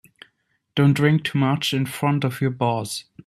Don't drink too much in front of your boss.